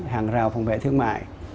hàng rào phòng vệ thương mại